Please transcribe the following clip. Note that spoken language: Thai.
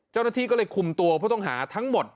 เจ้าหน้าที่ก็เลยคุมตัวผู้ต้องหาทั้งหมด